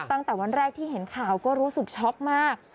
ตั้งแต่วันแรกที่เห็นข่าวก็รู้สึกช็อกมาก